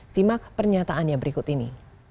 simak pernyataannya berikut ini